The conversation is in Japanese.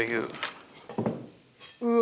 うわ。